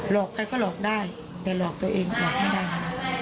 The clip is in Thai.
ใครก็หลอกได้แต่หลอกตัวเองหลอกไม่ได้นะ